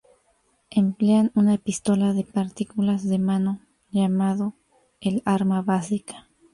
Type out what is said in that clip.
Emplean una pistola de partículas de mano llamado el "arma básica".